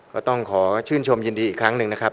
ก็ต้องขอชื่นชมยินดีอีกครั้งหนึ่งนะครับ